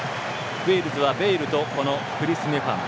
ウェールズはベイルとこのクリス・メファム。